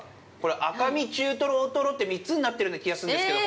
赤身、中トロ、大トロって、３つになってるような気がするんですけど。